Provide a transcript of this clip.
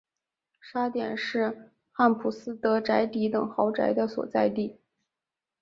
沙点是汉普斯德宅邸等豪宅的所在地。